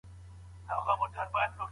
ایا دا ناول د مفرور په نوم و؟